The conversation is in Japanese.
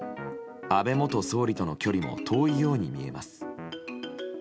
安倍元総理との距離も遠いように見えます。